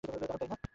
দারুণ, তাইনা?